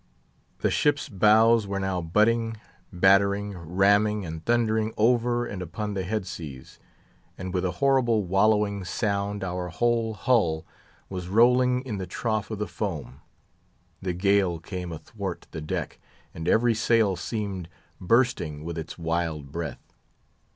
The ship's bows were now butting, battering, ramming, and thundering over and upon the head seas, and with a horrible wallowing sound our whole hull was rolling in the trough of the foam. The gale came athwart the deck, and every sail seemed bursting with its wild breath.